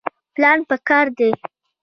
پلان پکار دی